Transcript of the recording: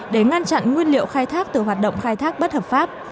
để ngăn chặn nguyên liệu khai thác từ hoạt động khai thác bất hợp pháp